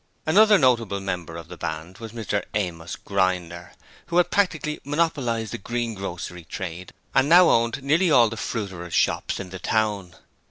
Another notable member of the Band was Mr Amos Grinder, who had practically monopolized the greengrocery trade and now owned nearly all the fruiterers' shops in the town.